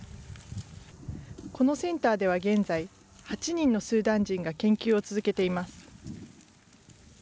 このセンターでは現在、８人のスーダン人が研究を続けています。